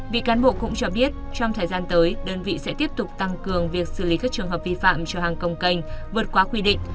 vị cán bộ cũng cho biết trong thời gian tới đơn vị sẽ tiếp tục tăng cường việc xử lý các trường hợp vi phạm cho hàng công canh vượt qua quy định